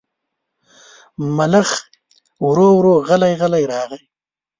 ملخ ورو ورو غلی غلی راغی.